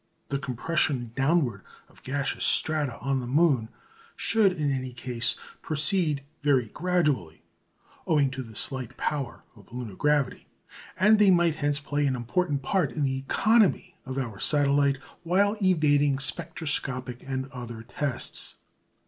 The compression downward of gaseous strata on the moon should, in any case, proceed very gradually, owing to the slight power of lunar gravity, and they might hence play an important part in the economy of our satellite while evading spectroscopic and other tests.